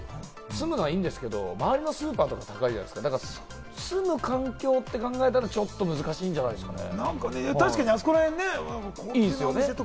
安いのはいいんですけれども、周りのスーパーとか高いじゃないですか、住む環境と考えたらちょっと難しいんじゃないですかね？